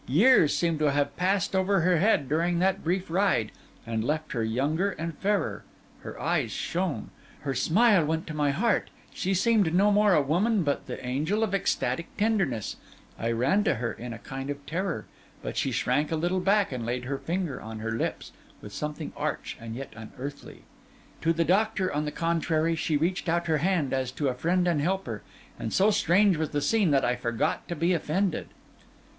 Years seemed to have passed over her head during that brief ride, and left her younger and fairer; her eyes shone, her smile went to my heart; she seemed no more a woman but the angel of ecstatic tenderness. I ran to her in a kind of terror; but she shrank a little back and laid her finger on her lips, with something arch and yet unearthly. To the doctor, on the contrary, she reached out her hand as to a friend and helper; and so strange was the scene that I forgot to be offended.